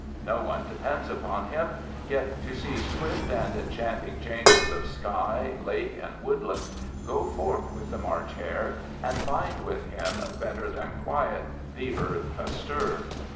No one depends upon him. Yet, to see swift and enchanting changes of sky, lake, and woodland, go forth with the March hare and find with him, better than quiet, the earth astir.